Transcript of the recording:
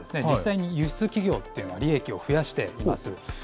実際に輸出企業というのは利益を増やしています。